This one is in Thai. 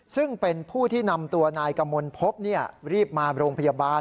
ซึ่งเป็นผู้ที่นำตัวนายกมลพบรีบมาโรงพยาบาล